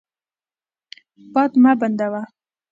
باد مه بندوه.